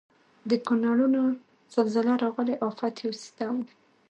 د کونړونو زلزله راغلي افت یو ستم و.